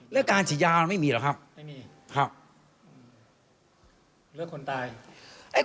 การฉีดยามันไม่มีหรอกครับไม่มีครับเลือกคนตาย